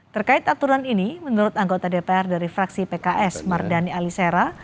terkait aturan ini menurut anggota dpr dari fraksi pks mardani alisera